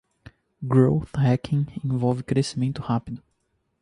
Growth Hacking envolve crescimento rápido.